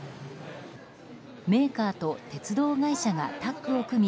メーカーと鉄道会社がタッグを組み